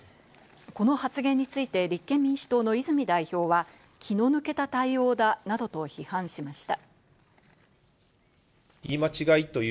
この発言について立憲民主党の泉代表は気の抜けた対応だなどと批判しました。